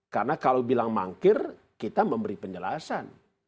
karena kalau dianggap dari panggilan kita memberikan penjelasan